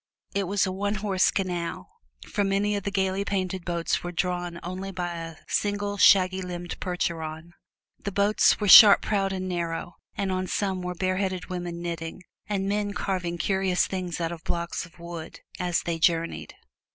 It was a one horse canal, for many of the gaily painted boats were drawn only by a single, shaggy limbed Percheron. The boats were sharp prowed and narrow; and on some were bareheaded women knitting, and men carving curious things out of blocks of wood, as they journeyed.